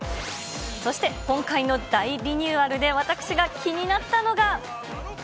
そして今回の大リニューアルで私が気になったのが。